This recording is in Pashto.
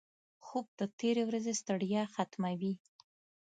خوب د تېرې ورځې ستړیا ختموي